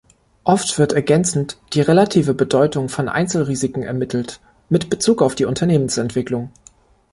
Oft wird ergänzend die relative Bedeutung von Einzelrisiken ermittelt; mit Bezug auf die Unternehmensentwicklung.